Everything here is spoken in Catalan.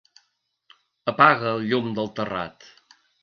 Apaga el llum del terrat.